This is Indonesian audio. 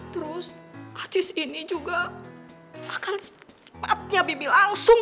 terus atis ini juga akan sepatnya bibik langsung